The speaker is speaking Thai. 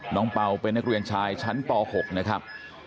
เป่าเป็นนักเรียนชายชั้นป๖นะครับ